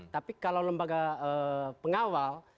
tapi kalau lembaga pengawal